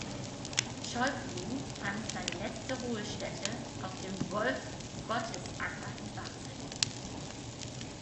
Schäublin fand seine letzte Ruhestätte auf dem Wolfgottesacker in Basel.